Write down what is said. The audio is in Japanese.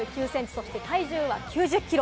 そして体重は９０キロ。